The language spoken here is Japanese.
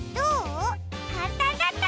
かんたんだったかな？